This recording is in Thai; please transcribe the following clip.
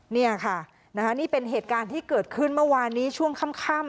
นี่ค่ะนี่เป็นเหตุการณ์ที่เกิดขึ้นเมื่อวานนี้ช่วงค่ำ